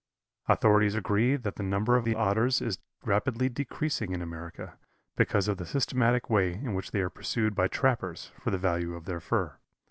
Authorities agree that the number of the Otters is rapidly decreasing in America, because of the systematic way in which they are pursued by trappers for the value of their fur.